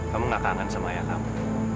kamu gak kangen sama ayah kamu